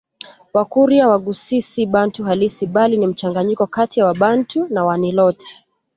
Wakurya Waghusii si Bantu halisi bali ni mchanganyiko kati ya Wabantu na Waniloti